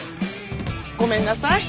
ごめんなさい